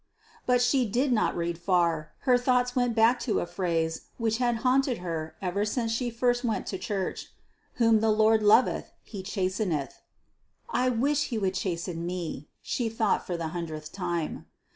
But she did not read far: her thoughts went back to a phrase which had haunted her ever since first she went to church: "Whom the Lord loveth, he chasteneth." "I wish he would chasten me," she thought for the hundredth time.